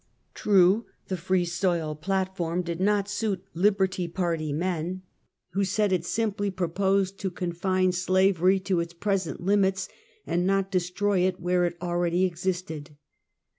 True, the Free Soil platform did not suit Liberty Party men, who said it simply proposed to confine slavery, to its present limits, and not destroy it where it already ex isted.